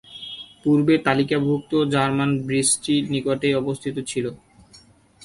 পূর্বে তালিকাভুক্ত জার্মানি ব্রিজটি নিকটেই অবস্থিত ছিল।